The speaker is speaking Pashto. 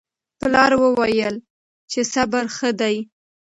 پلار وویل چې صبر ښه دی.